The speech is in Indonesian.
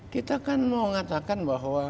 kita kan mau mengatakan bahwa